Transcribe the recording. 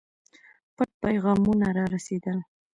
پټ پیغامونه را رسېدل.